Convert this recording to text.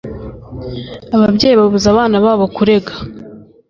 ababyeyi babuza abana babo kurega.”